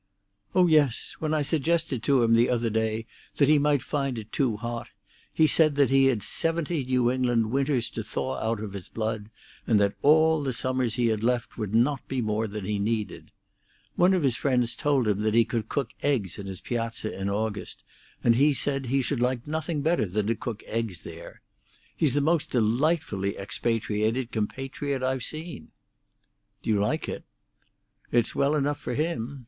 "Oh yes. When I suggested to him the other day that he might find it too hot, he said that he had seventy New England winters to thaw out of his blood, and that all the summers he had left would not be more than he needed. One of his friends told him that he could cook eggs in his piazza in August, and he said that he should like nothing better than to cook eggs there. He's the most delightfully expatriated compatriot I've ever seen." "Do you like it?" "It's well enough for him.